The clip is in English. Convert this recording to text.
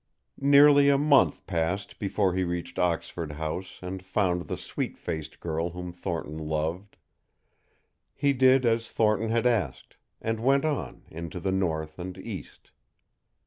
Nearly a month passed before he reached Oxford House and found the sweet faced girl whom Thornton loved. He did as Thornton had asked, and went on into the north and east.